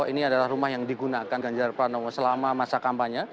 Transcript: ini adalah rumah yang digunakan ganjar pranowo selama masa kampanye